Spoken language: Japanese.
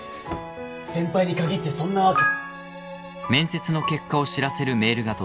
先輩に限ってそんなわけ。